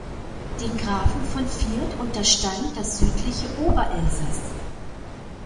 Den Grafen von Pfirt unterstand das südliche Oberelsass.